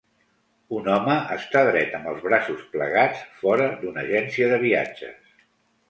Un home està dret amb els braços plegats fora d'una agència de viatges.